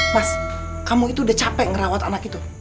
mas kamu itu udah capek ngerawat anak itu